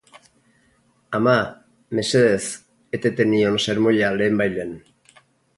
Ama, mesedez, eteten nion sermoia lehenbailehen.